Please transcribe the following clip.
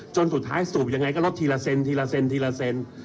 จนสุดท้ายสูบยังไงก็ลดทีละเซน